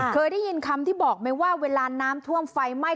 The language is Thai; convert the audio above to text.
เคยได้ยินคำที่บอกไหมว่าเวลาน้ำท่วมไฟไหม้